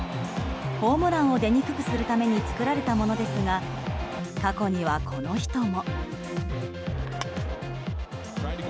ホームランを出にくくするために作られたものですが過去には、この人も。